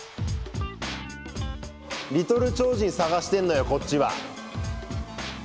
リトル超人探してんのよこっちは。